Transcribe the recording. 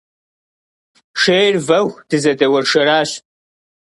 Шейр вэху, дызэдэуэршэращ.